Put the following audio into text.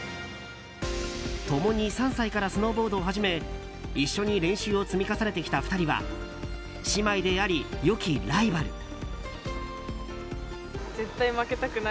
共に３歳からスノーボードを始め一緒に練習を積み重ねてきた２人は姉妹であり良きライバル。